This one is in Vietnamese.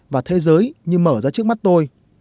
và thế giới như mở ra trước mắt tôi